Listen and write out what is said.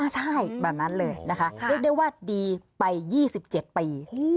ใช่แบบนั้นเลยนะคะเรียกได้ว่าดีไป๒๗ปี